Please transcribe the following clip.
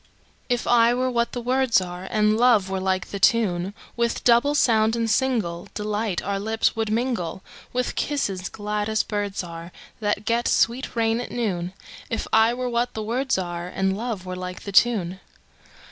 If I were what the words are, And love were like the tune, With double sound and singleDelight our lips would mingle, With kisses glad as birds areThat get sweet rain at noon; If I were what the words areAnd love were like the tune.